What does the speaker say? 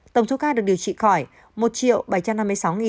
tổng số ca được điều trị khỏi một bảy trăm năm mươi sáu một trăm năm mươi bốn ca